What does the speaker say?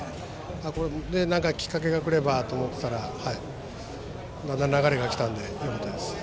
それで、きっかけが来ればと思っていたら、だんだん流れが来たので、よかったです。